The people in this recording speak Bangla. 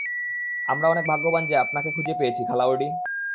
আমরা অনেক ভাগ্যবান যে আপনাকে খুঁজে পেয়েছি, খালা ওডি।